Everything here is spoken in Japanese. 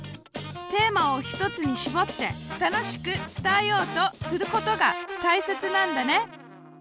テーマを１つにしぼって楽しく伝えようとすることがたいせつなんだね。